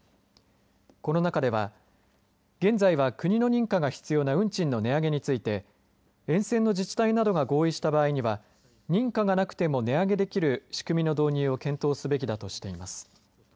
この中では、現在は国の認可が必要な運賃の値上げについて沿線の自治体などが合意した場合には認可がなくても値上げできる仕組みの導入を検討すべきだとしています。